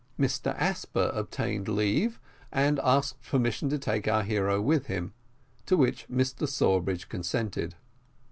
Mr Asper obtained leave, and asked permission to take our hero with him; to which Mr Sawbridge consented.